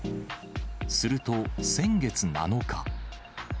すると、先月７日。